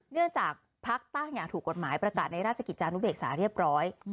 เนื่องจากพรรคตั้งอย่างถูกกฎหมายประจัดในราชกิจจานุเบกศาลเรียบร้อย